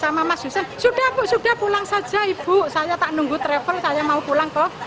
sama mas hussein sudah bu sudah pulang saja ibu saya tak nunggu travel saya mau pulang kok